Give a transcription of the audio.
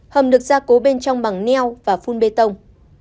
hầm được gia cố bên trong bằng neo và phun bê tông